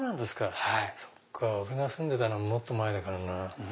そっか俺が住んでたのもっと前だからなぁ。